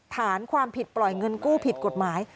ฐานความผิดปล่อยเงินกู้ผิดกฎหมาย